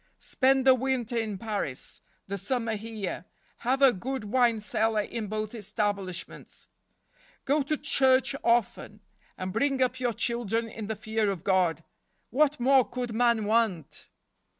Spend the winter in Paris, the summer here. Have a good wine cellar in both establishments. Go to church often, and bring up your children in the fear of God. What more could man want